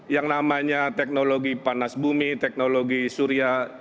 yang namanya teknologi panas bumi teknologi surya